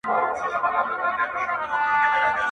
دا نوي شعرونه، چي زه وایم خدای دي -